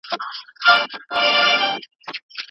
هغې د پوهې خاوند تعقیب کړ.